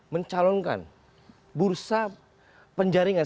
mencalonkan bursa penjaringan